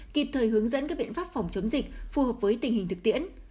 kịp thời hướng dẫn các biện pháp phòng chống dịch phù hợp với tình hình thực tiễn